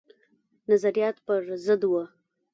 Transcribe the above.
نظریات پر ضد وه.